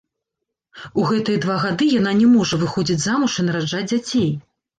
У гэтыя два гады яна не можа выходзіць замуж і нараджаць дзяцей.